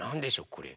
これ。